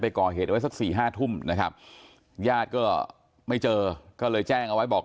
ก่อเหตุเอาไว้สักสี่ห้าทุ่มนะครับญาติก็ไม่เจอก็เลยแจ้งเอาไว้บอก